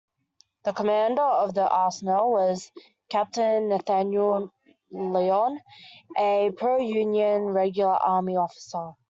The commander of the Arsenal was Captain Nathaniel Lyon, a pro-Union regular Army officer.